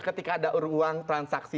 ketika ada ruang transaksi